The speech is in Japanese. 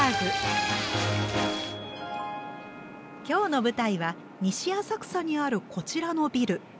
今日の舞台は西浅草にあるこちらのビル。